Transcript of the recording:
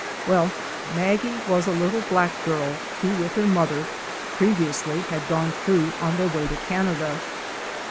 Well, Maggie was a little black girl, who with her mother, previously had gone through on their way to Canada.